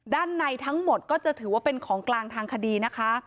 ด้านในทั้งหมดก็จะถือว่าเป็นของกลางทางคดีนะคะ